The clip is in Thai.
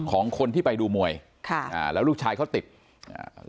ของคนที่ไปดูมวยค่ะอ่าแล้วลูกชายเขาติดอ่า